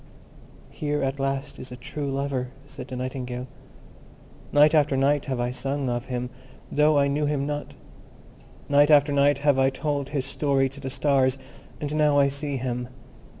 "Here at last is a true lover," said the Nightingale. "Night after night have I sung of him, though I knew him not: night after night have I told his story to the stars, and now I see him.